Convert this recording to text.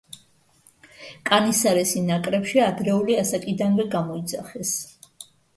კანისარესი ნაკრებში ადრეული ასაკიდანვე გამოიძახეს.